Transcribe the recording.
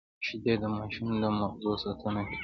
شیدې د ماشوم د مغزو ساتنه کوي